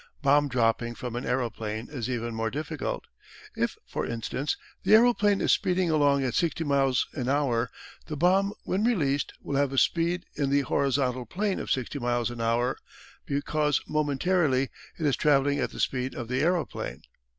Bomb dropping from an aeroplane is even more difficult. If for instance the aeroplane is speeding along at 60 miles an hour, the bomb when released will have a speed in the horizontal plane of 60 miles an hour, because momentarily it is travelling at the speed of the aeroplane.